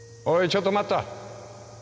ちょっと待った。